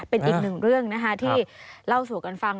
เป็นอีกหนึ่งเรื่องนะคะที่เล่าสู่กันฟัง